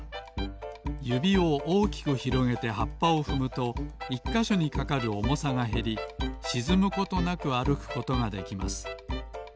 ゆびをおおきくひろげてはっぱをふむと１かしょにかかるおもさがへりしずむことなくあるくことができます。